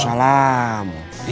iya pak ustadz